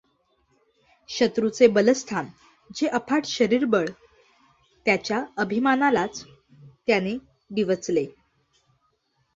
शत्रूचे बलस्थान जे अफाट शरीरबळ त्याच्या अभिमानालाच त्याने डिंवचले.